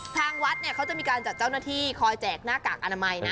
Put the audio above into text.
ทางวัดเนี่ยเขาจะมีการจัดเจ้าหน้าที่คอยแจกหน้ากากอนามัยนะ